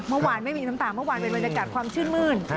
ไม่มีน้ำตาเมื่อวานเป็นบรรยากาศความชื่นมื้น